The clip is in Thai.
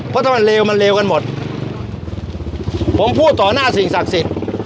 เพราะถ้ามันเลวมันเลวกันหมดผมพูดต่อหน้าสิ่งศักดิ์สิทธิ์